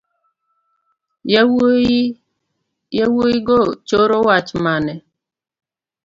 Yawuigo choro wach mane